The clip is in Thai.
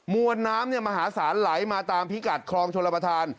วนน้ำมหาศาลไหลมาตามพิกัดคลองชลประธาน